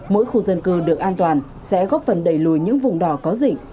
mỗi khu dân cư được an toàn sẽ góp phần đẩy lùi những vùng đỏ có dịch